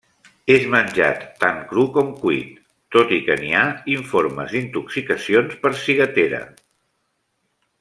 És menjat tant cru com cuit, tot i que n'hi ha informes d'intoxicacions per ciguatera.